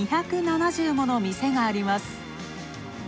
２７０もの店があります。